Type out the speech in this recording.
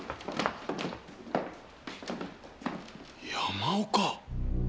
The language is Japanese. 山岡。